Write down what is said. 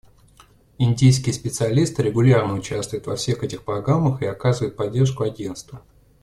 Индийские специалисты регулярно участвуют во всех этих программах и оказывают поддержку Агентству.